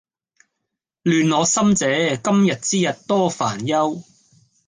亂我心者，今日之日多煩憂